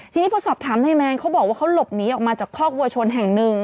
ทีนี้พอสอบถามนายแมนเขาบอกว่าเขาหลบหนีออกมาจากคอกวัวชนแห่งหนึ่ง